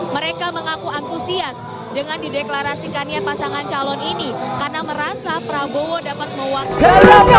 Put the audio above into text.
mereka mengaku antusias dengan dideklarasikannya pasangan calon ini karena merasa prabowo dapat mewakili